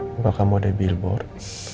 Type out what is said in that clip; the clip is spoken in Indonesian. maka kamu ada di billboard